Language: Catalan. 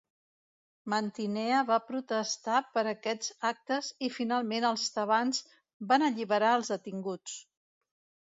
Mantinea va protestar per aquests actes i finalment els tebans van alliberar als detinguts.